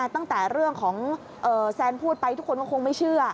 ตั้งแต่เรื่องของแซนพูดไปทุกคนก็คงไม่เชื่อ